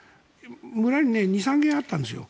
村に２３軒あったんですよ。